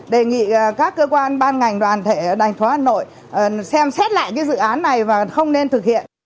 đề nghị các cơ quan ban ngành đoàn thể đh hà nội xem xét lại cái dự án này và không nên thực hiện